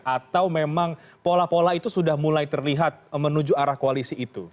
atau memang pola pola itu sudah mulai terlihat menuju arah koalisi itu